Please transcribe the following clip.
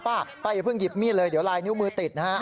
ป้าป้าอย่าเพิ่งหยิบมีดเลยเดี๋ยวลายนิ้วมือติดนะฮะ